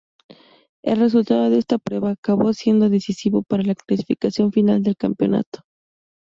El resultado de esta prueba acabó siendo decisivo para la clasificación final del campeonato.